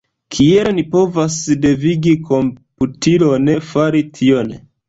Kiel ni povas devigi komputilon fari tion?